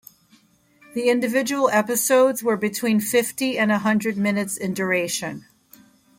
The individual episodes were between fifty and a hundred minutes in duration.